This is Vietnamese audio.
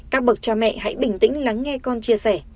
các bậc cha mẹ hãy bình tĩnh lắng nghe con chia sẻ